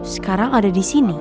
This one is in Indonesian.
sekarang ada disini